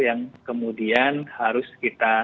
yang kemudian harus kita